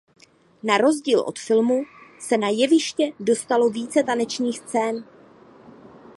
Na rozdíl od filmu se na jeviště dostalo více tanečních scén.